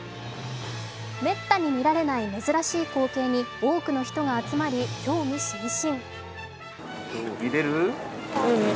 めったに見られない珍しい光景に多くの人が集まり、興味津々。